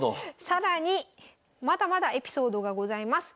更にまだまだエピソードがございます。